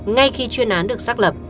ngay khi chuyên án được xác lập